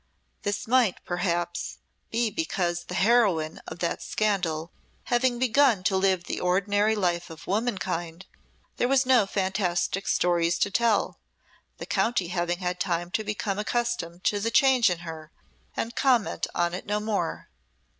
This might, perhaps, be because the heroine of that scandal, having begun to live the ordinary life of womankind, there were no fantastic stories to tell, the county having had time to become accustomed to the change in her and comment on it no more.